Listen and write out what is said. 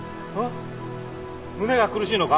胸が苦しいのか？